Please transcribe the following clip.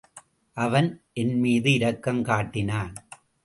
அவன் என் மீது இரக்கம் காட்டினான்.